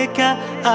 agar aku berharga